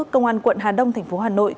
công an quận hà đông thành phố hà nội